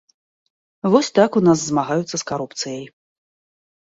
Вось так у нас змагаюцца з карупцыяй.